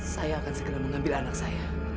saya akan segera mengambil anak saya